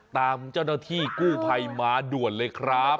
ตามเจ้าหน้าที่กู้ภัยมาด่วนเลยครับ